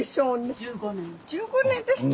１５年ですって。